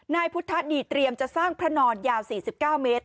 นายพุทธนี่เตรียมจะสร้างพระนอนยาว๔๙เมตร